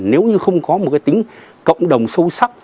nếu như không có một cái tính cộng đồng sâu sắc